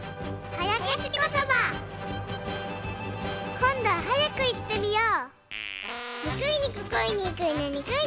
こんどははやくいってみよう。